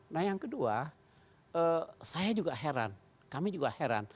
nah yang kedua saya juga heran kami juga heran